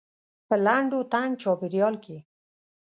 په لنډ و تنګ چاپيریال کې.